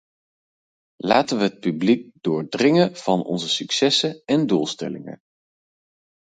Laten we het publiek doordringen van onze successen en doelstellingen.